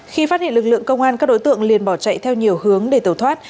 khi phát hiện lực lượng công an các đối tượng liền bỏ chạy theo nhiều hướng để tẩu thoát